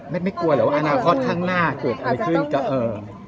แมทไม่กลัวหรือว่าอนาคตข้างหน้าเกิดอะไรขึ้น